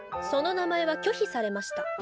その名前は拒否されました。